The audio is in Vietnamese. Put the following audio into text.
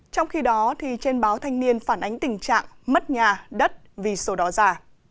trong khi đó trên báo thanh niên phản ánh tình trạng mất nhà đất vì sổ đỏ già